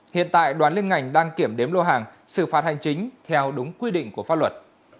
hiện tại đoàn liên ngành đang kiểm đếm lô hàng xử phạt hành chính theo đúng quy định của pháp luật